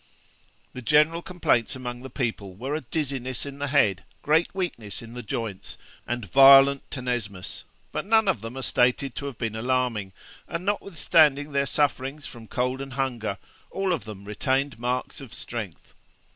The general complaints among the people were a dizziness in the head, great weakness in the joints, and violent tenesmus, but none of them are stated to have been alarming; and notwithstanding their sufferings from cold and hunger, all of them retained marks of strength.